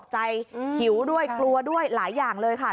ใจหิวด้วยกลัวด้วยหลายอย่างเลยค่ะ